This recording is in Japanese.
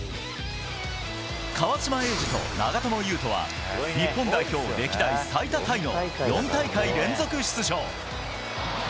川島永嗣と長友佑都は、日本代表歴代最多タイの４大会連続出場。